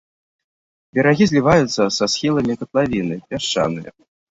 Берагі зліваюцца са схіламі катлавіны, пясчаныя.